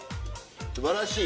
すばらしい。